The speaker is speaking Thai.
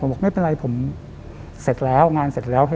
ผมบอกไม่เป็นไรงานเสร็จแล้ว